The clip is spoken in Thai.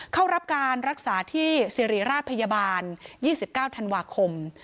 เข้ารับการรักษาที่สิริราชพยาบาล๒๙ธันวาคม